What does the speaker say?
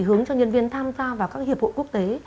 hướng cho nhân viên tham gia vào các hiệp hội quốc tế